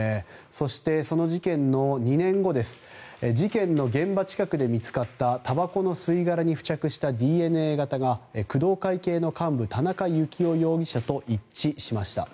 そして、その事件の２年後事件の現場近くで見つかったたばこの吸い殻に付着したＤＮＡ型が、工藤会系の幹部田中幸雄容疑者と一致しました。